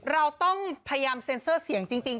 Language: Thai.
เราต้องพยายามเซ็นเซอร์เสียงจริง